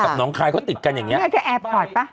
กับน้องคลายเขาติดกันอย่างเงี้ยนี่อาจจะแอบปลอดป่ะ